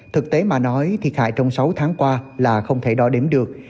thực tế mà nói thiệt hại trong sáu tháng qua là không thể đo đếm được